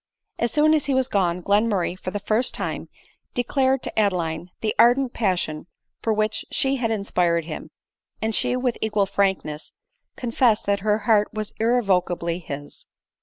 As soon as he was gone, Glenmurray, for the first time, declared to Adeline the ardent passion with which she had inspired him ; and she with equal frankness, confess ed that her heart was irrevocably his.